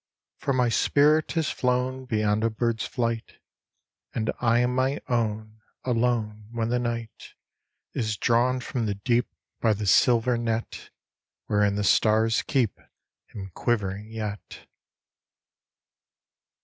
For my spirit has flown Beyond a bird's flight ; And I am my own Alone when the Night Is drawn from tho deep By the silver net Wherein the stars keep Him quivering yet.